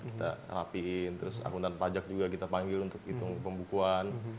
kita rapiin terus akuntan pajak juga kita panggil untuk hitung pembukuan